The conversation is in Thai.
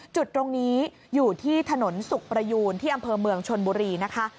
จุดตรงนี้อยู่ที่ถนนสุขประยูนที่อำเภอเมืองชนบุรีนะคะ